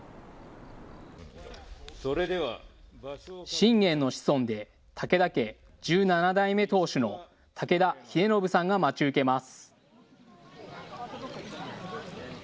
信玄の子孫で武田家１７代目当主の武田英信さんが待ち受けます。